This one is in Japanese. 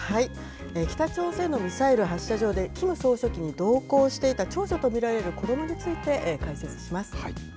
北朝鮮のミサイル発射場でキム総書記に同行していた長女と見られる子どもについて、解説します。